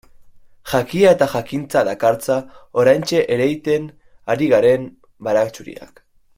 Jakia eta jakintza dakartza oraintxe ereiten ari garen baratxuriak.